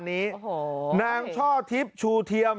นางช่อทิศชูเที่ยม